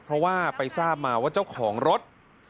เพราะว่าไปทราบมาว่าเจ้าของรถ